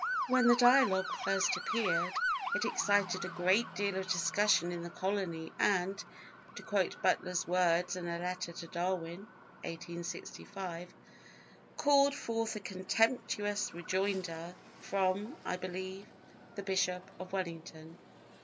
When the Dialogue first appeared it excited a great deal of discussion in the colony and, to quote Butler's words in a letter to Darwin (1865), "called forth a contemptuous rejoinder from (I believe) the Bishop of Wellington."